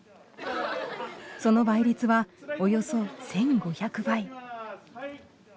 その倍率はおよそ１，５００倍。